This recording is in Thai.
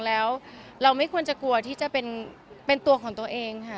แล้วเราไม่ควรจะกลัวที่จะเป็นตัวของตัวเองค่ะ